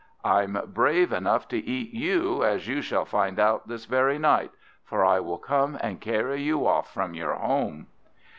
I'm brave enough to eat you, as you shall find out this very night; for I will come and carry you off from your home."